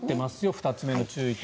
２つ目の注意点。